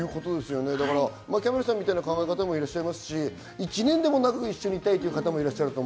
キャンベルさんみたいな考え方もありますし、１年でも長く一緒にいたいという方もいらっしゃる。